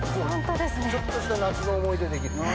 ちょっとした夏の思い出できる。